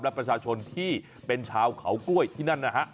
และประชาชนที่เป็นชาวเขากล้วยที่นั่นนะฮะ